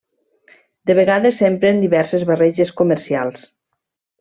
De vegades s'empren diverses barreges comercials.